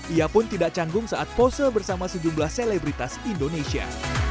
ia pun tidak canggung saat pose bersama sejumlah selebritas indonesia